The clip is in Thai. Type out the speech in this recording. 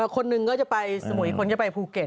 คนหนึ่งก็จะไปสมุยคนจะไปภูเก็ต